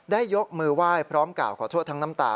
ยกมือไหว้พร้อมกล่าวขอโทษทั้งน้ำตา